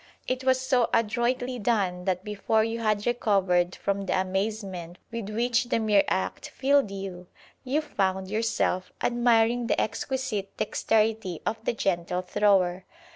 It was so adroitly done that before you had recovered from the amazement with which the mere act filled you, you found yourself admiring the exquisite dexterity of the gentle thrower.